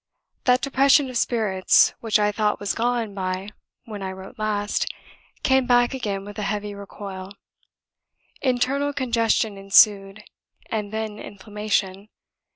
That depression of spirits, which I thought was gone by when I wrote last, came back again with a heavy recoil; internal congestion ensued, and then inflammation.